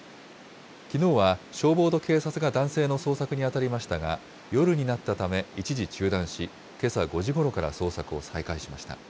きのうは、消防と警察が男性の捜索に当たりましたが、夜になったため一時中断し、けさ５時ごろから捜索を再開しました。